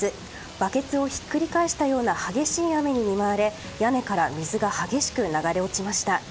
バケツをひっくり返したような激しい雨に見舞われ屋根から水が激しく流れ落ちました。